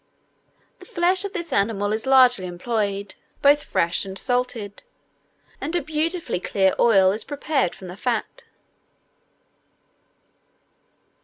The flesh of this animal is largely employed, both fresh and salted; and a beautifully clear oil is prepared from the fat.